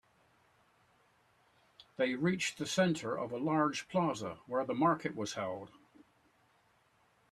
They reached the center of a large plaza where the market was held.